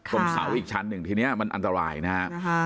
บนเสาอีกชั้นหนึ่งทีนี้มันอันตรายนะฮะ